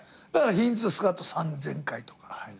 だからヒンズースクワット３，０００回とか。